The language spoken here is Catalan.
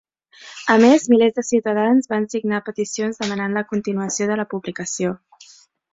A més, milers de ciutadans van signar peticions demanant la continuació de la publicació.